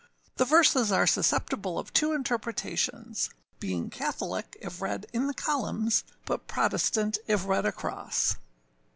The verses are susceptible of two interpretations, being Catholic if read in the columns, but Protestant if read across.